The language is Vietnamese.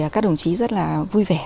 các đồng chí rất là vui vẻ